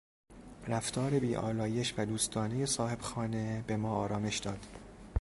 رفتار بی آلایش و دوستانهی صاحبخانه به ما آرامش داد.